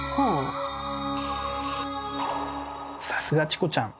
さすがチコちゃん。